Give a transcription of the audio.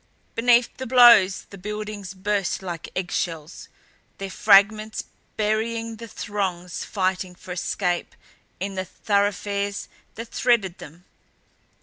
Beneath the blows the buildings burst like eggshells, their fragments burying the throngs fighting for escape in the thoroughfares that threaded them.